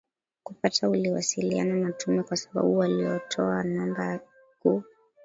kupata uliwasiliana na tume kwa sababu waliotoa namba ya ku